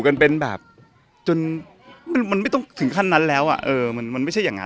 แต่ว่าหนุ่มมันปกติอยู่รักษีหรือเปลี่ยน